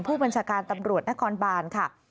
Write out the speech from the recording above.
ผู้บัญชาการตำรวจนครบานค่ะ